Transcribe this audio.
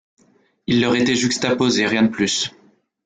Il leur était juxtaposé ; rien de plus.